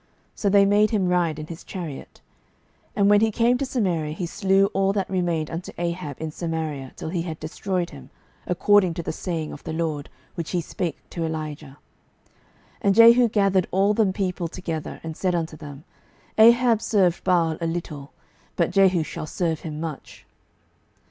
So they made him ride in his chariot. 12:010:017 And when he came to Samaria, he slew all that remained unto Ahab in Samaria, till he had destroyed him, according to the saying of the LORD, which he spake to Elijah. 12:010:018 And Jehu gathered all the people together, and said unto them, Ahab served Baal a little; but Jehu shall serve him much.